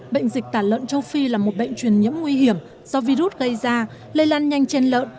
bệnh dịch tả lợn châu phi là một bệnh truyền nhiễm nguy hiểm do virus gây ra lây lan nhanh trên lợn